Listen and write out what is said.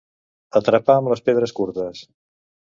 Atrapar amb les pedres curtes.